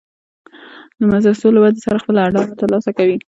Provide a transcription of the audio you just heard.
د مدرسو له ودې سره خپله اډانه تر لاسه کوي.